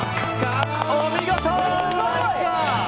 お見事！